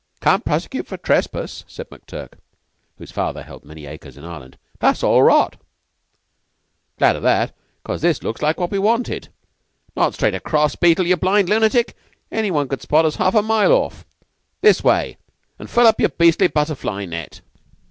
'Can't prosecute for trespass," said McTurk, whose father held many acres in Ireland. "That's all rot!" "Glad of that, 'cause this looks like what we wanted. Not straight across, Beetle, you blind lunatic! Anyone could spot us half a mile off. This way; and furl up your beastly butterfly net."